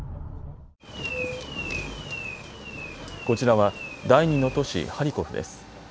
こちらは第２の都市ハリコフです。